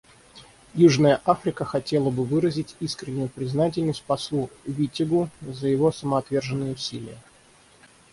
Южная Африка хотела бы выразить искреннюю признательность послу Виттигу за его самоотверженные усилия.